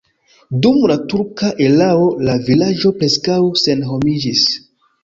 Dum la turka erao la vilaĝo preskaŭ senhomiĝis.